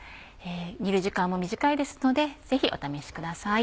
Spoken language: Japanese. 煮る時間も短いですのでぜひお試しください。